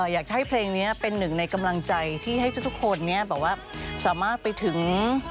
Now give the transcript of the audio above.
อยากให้เพลงนี้เป็นหนึ่งในกำลังใจที่ให้ทุกคนสามารถไปถึง